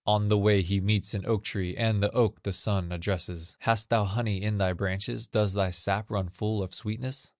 On the way he meets an oak tree, And the oak the son addresses: "Hast thou honey in thy branches, Does thy sap run full of sweetness?"